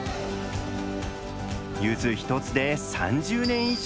ゆず一つで３０年以上。